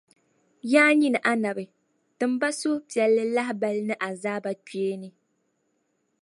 Yaa nyini Annabi! Tim ba suhupiɛlli lahibali ni azaabakpeeni.